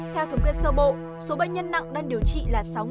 theo thống kê sơ bộ số bệnh nhân nặng đang điều trị là sáu ba trăm sáu mươi chín ca